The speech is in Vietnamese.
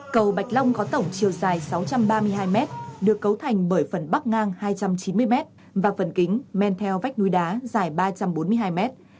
cầu bạch long có tổng chiều dài sáu trăm ba mươi hai mét được cấu thành bởi phần bắc ngang hai trăm chín mươi mét và phần kính men theo vách núi đá dài ba trăm bốn mươi hai mét